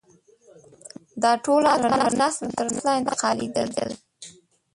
دا ټول اثار له نسله تر نسل ته انتقالېدل.